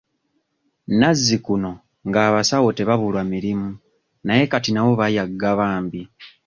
Nazzikuno nga abasawo tebabulwa mirimu naye kati nabo bayagga bambi.